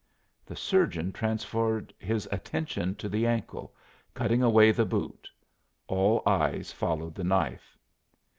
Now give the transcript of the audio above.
The surgeon transferred his attention to the ankle, cutting away the boot. All eyes followed the knife.